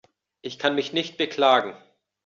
Ich kann mich nicht beklagen.